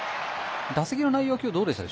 打席の内容はどうでした？